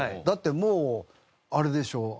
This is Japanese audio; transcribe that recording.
だってもうあれでしょ？